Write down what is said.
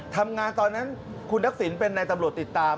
ทำงานตอนนั้นคุณนักศิลป์เป็นในตำรวจติดตาม